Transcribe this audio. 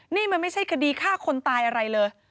นี่มันไม่ใช่คดีฆ่าคนตายอะไรเลย